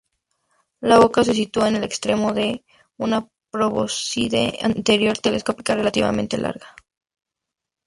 La boca se sitúa en el extremo de una probóscide anterior telescópica relativamente larga.